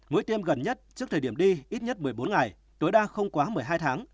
mũi tiêm gần nhất trước thời điểm đi ít nhất một mươi bốn ngày tối đa không quá một mươi hai tháng